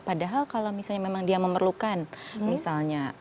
padahal kalau misalnya memang dia memerlukan misalnya